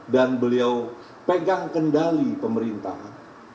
dan beliau pegang kendali pemerintahan